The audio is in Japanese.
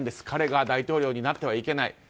彼が大統領になってはいけない。